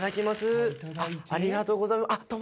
ありがとうございます。